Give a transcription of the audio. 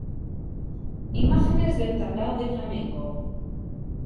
Imágenes de un tablao de flamenco.